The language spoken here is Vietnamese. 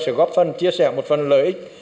sẽ góp phần chia sẻ một phần lợi ích